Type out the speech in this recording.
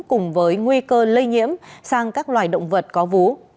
cùng với nguy cơ lây nhiễm sang các loài động vật có vú